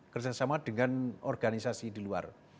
kerjasama dengan organisasi di luar